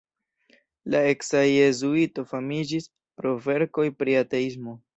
La eksa jezuito famiĝis pro verkoj pri ateismo.